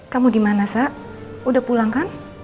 kamu di mana sa udah pulang kan